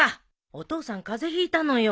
お父さん風邪ひいたのよ。